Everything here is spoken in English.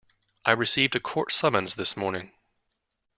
I received a court summons this morning.